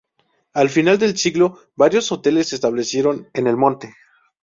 Al final del siglo, varios hoteles se establecieron en el Monte.